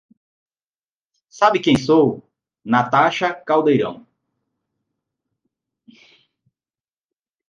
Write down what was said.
Sabe quem sou? Natasha Caldeirão